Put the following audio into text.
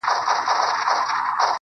څښل مو تويول مو شرابونه د جلال~